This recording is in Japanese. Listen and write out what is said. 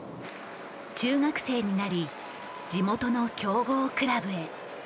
中学生になり地元の強豪クラブへ。